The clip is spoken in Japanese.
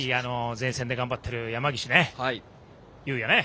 前線で頑張っている山岸祐也ですね。